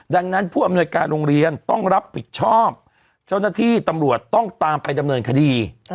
ดังนั้นผู้อำนวยการโรงเรียนต้องรับผิดชอบเจ้าหน้าที่ตำรวจต้องตามไปดำเนินคดี